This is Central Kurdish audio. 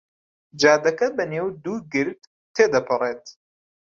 جادەکە بەنێو دوو گرد تێ دەپەڕێت.